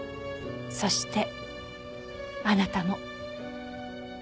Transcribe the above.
そしてあなたも。